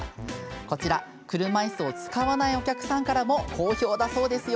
こちら、車いすを使わないお客さんからも好評だそうですよ。